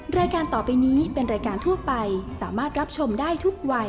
รายการต่อไปนี้เป็นรายการทั่วไปสามารถรับชมได้ทุกวัย